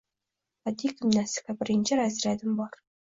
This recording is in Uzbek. — Badiiy gimnastika. Birinchi razryadim bor!